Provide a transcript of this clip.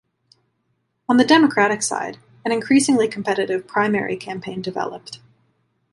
On the Democratic side, an increasingly competitive primary campaign developed.